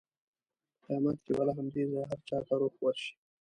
په قیامت کې به له همدې ځایه هر چا ته روح ورشي.